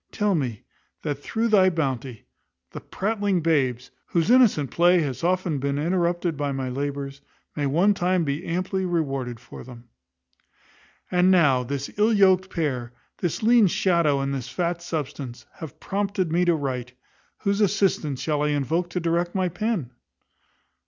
Tell me, that through thy bounty, the pratling babes, whose innocent play hath often been interrupted by my labours, may one time be amply rewarded for them. And now, this ill yoked pair, this lean shadow and this fat substance, have prompted me to write, whose assistance shall I invoke to direct my pen?